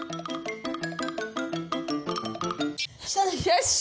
よし！